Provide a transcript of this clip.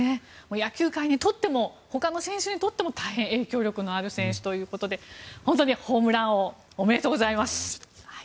野球界にとってもほかの選手にとっても大変影響力のある選手ということで本当にホームラン王おめでとうございます。